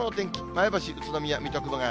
前橋、宇都宮、水戸、熊谷。